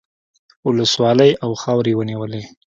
ولسوالۍ او خاورې یې ونیولې.